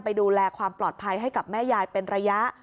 ดูแลความปลอดภัยให้กับแม่ยายเป็นระยะ